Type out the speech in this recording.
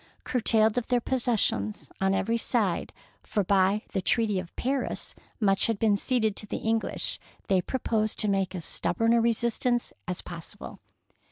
Curtailed of their possessions on every side, for by the " Treaty of Paris " much had been ceded to the English, they proposed to make as stubborn a resistance as possible.